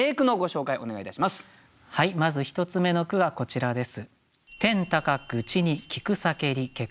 まず１つ目の句はこちらです。